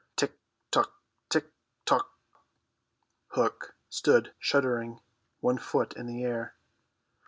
Tick tick tick tick! Hook stood shuddering, one foot in the air.